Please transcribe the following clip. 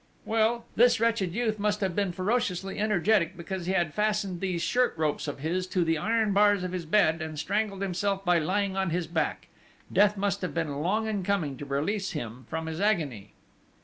"Well!... This wretched youth must have been ferociously energetic, because he had fastened these shirt ropes of his to the iron bars of his bed, and strangled himself by lying on his back. Death must have been long in coming to release him from his agony."